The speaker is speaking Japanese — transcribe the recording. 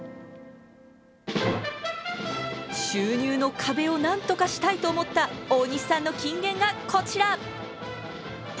収入の壁を何とかしたいと思った大西さんの金言がこちら。